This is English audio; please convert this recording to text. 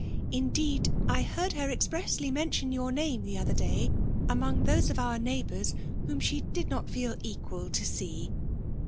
Indeed, I Iieard her expneasly mention your name the elber day among those of our neighboors whom she did not feel equal to see.